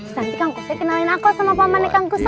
nanti kang kushoi kenalin aku sama pamane kang kushoi